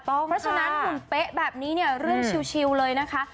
เพราะฉะนั้นหุ่นเป๊ะแบบนี้เนี่ยเรื่องชิวเลยนะคะ